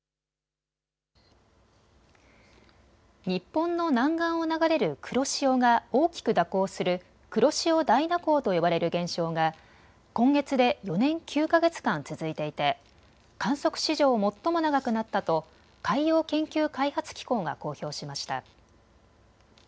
日本の南岸を流れる黒潮が大きく蛇行する黒潮大蛇行と呼ばれる現象が今月で４年９か月間、続いていて観測史上、最も長くなったと海洋研究開発機構が公表しました。